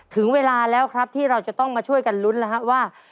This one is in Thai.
ถึงเวลาแล้วครับที่เราจะต้องมาช่วยกันลุ้นแล้วครับว่า